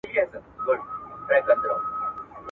تاسي په دې اړه څه نظر لرئ؟